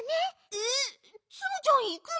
えっツムちゃんいくの？